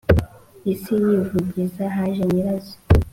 isi yivugiza haje nyirazo